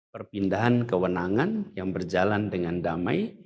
perpindahan kewenangan yang berjalan dengan damai